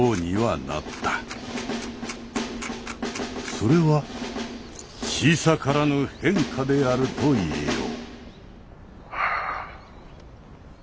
それは小さからぬ変化であるといえよう。